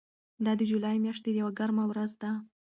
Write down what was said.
دا د جولای میاشتې یوه ګرمه ورځ وه.